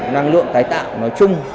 năng lượng tái tạo nói chung